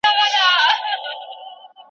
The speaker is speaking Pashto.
له تعصب پرته تحلیل د څېړونکي دنده ده.